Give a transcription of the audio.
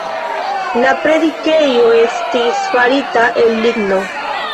La predikejo estis farita el ligno.